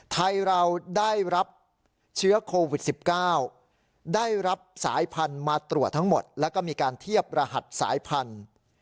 ไทยเราได้รับเชื้อโควิด๑๙ได้รับสายพันธุ์มาตรวจทั้งหมดแล้วก็มีการเทียบรหัสสายพันธุ์